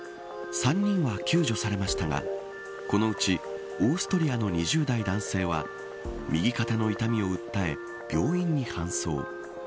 ３人は救助されましたがこのうちオーストリアの２０代男性は右肩の痛みを訴え病院に搬送。